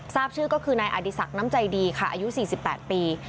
ทราบชื่อก็คือนายอดีศักดิ์น้ำใจดีค่ะอายุ๔๘ปี